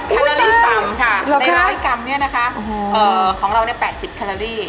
แคลอรี่ต่ำค่ะใน๑๐๐กรัมเนี่ยนะคะของเราเนี่ย๘๐คารารี่